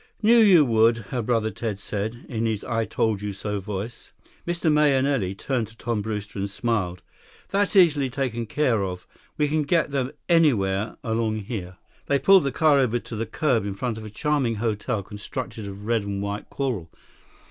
"Knew you would," her brother Ted said, in his I told you so voice. Mr. Mahenili turned to Tom Brewster and smiled. "That's easily taken care of. We can get them anywhere along here." 34 He pulled the car over to the curb in front of a charming hotel constructed of red and white coral.